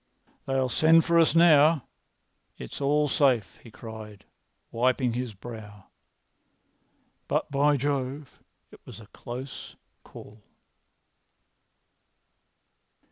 "They'll send for us now. It's all safe," he cried, wiping his brow. "But, by Jove, it was a close call!"